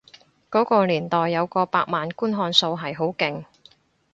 嗰個年代有過百萬觀看數係好勁